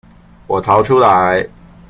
我逃出來